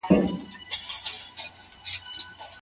د بریا ډالۍ یوازي لایقو کسانو ته نه سي ورکول کېدلای.